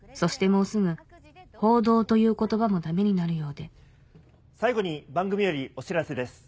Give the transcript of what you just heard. もうすぐ「報道」という言葉もダメになるようで最後に番組よりお知らせです。